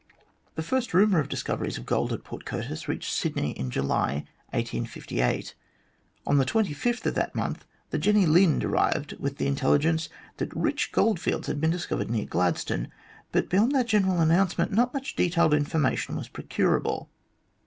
The first rumour of discoveries of gold at Port Curtis reached Sydney in July, 1858. On the 25th of that month the Jenny Lind arrived with the intelligence that rich gold fields had been discovered near Gladstone, but beyond that general announcement not much detailed information was procurable.